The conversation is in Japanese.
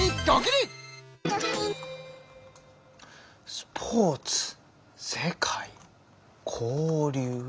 「スポーツ世界交流」。